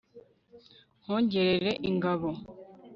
nkongerere ingabo